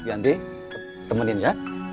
bianti temenin ya